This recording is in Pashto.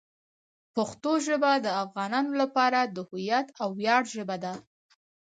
پښتو ژبه د افغانانو لپاره د هویت او ویاړ ژبه ده.